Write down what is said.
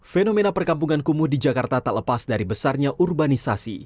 fenomena perkampungan kumuh di jakarta tak lepas dari besarnya urbanisasi